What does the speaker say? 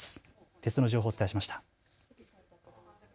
鉄道の情報をお伝えしました。